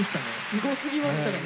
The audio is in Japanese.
すごすぎましたね。